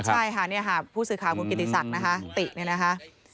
ใช่ค่ะเนี่ยค่ะผู้สื่อข่าวคุณกิติศักดิ์นะคะติเนี่ยนะคะ